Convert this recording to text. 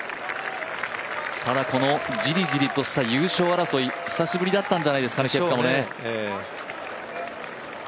ただこのジリジリとした優勝争い、久しぶりだったんじゃないですかね、ケプカもね。